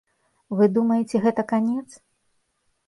Вы думаеце, гэта канец?